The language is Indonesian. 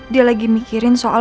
dia lagi mikirin soal